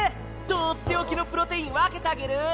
とっておきのプロテイン分けたげる！